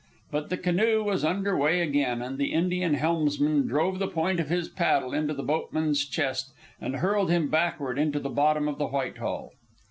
But the canoe was under way again, and the Indian helmsman drove the point of his paddle into the boatman's chest and hurled him backward into the bottom of the Whitehall.